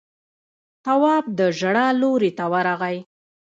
تواب د ژړا لورې ته ورغی.